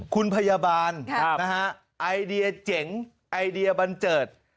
คุณพยาบาลไอเดียเจ๋งไอเดียบันเจิด